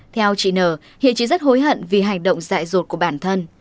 theo chị nờ hiện chị rất hối hận vì hành động dại rột của bản thân